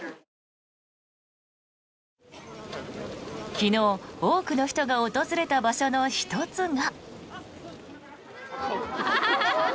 昨日、多くの人が訪れた場所の１つが。